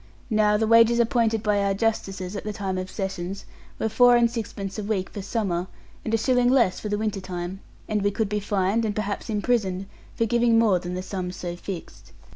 Now the wages appointed by our justices, at the time of sessions, were four and sixpence a week for summer, and a shilling less for the winter time; and we could be fined, and perhaps imprisoned, for giving more than the sums so fixed.